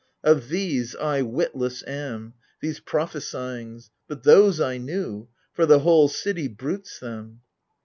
Of these I witless am — these prophesyings. But. those I knew : for the whole city bruits them.